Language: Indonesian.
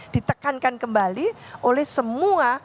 ditekankan kembali oleh semua